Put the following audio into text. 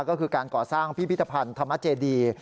ก็คือการก่อสร้างพิพิธภัณฑ์ธรรมเจดี